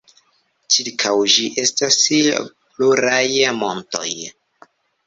Ĉirkaŭ ĝi estas pluraj montoj.